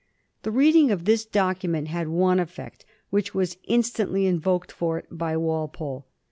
The reading of this document had one effect, which was instantly invoked for it by Walpole.